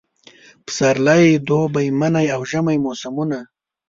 پسرلی، دوبی، منی اوژمی موسمونه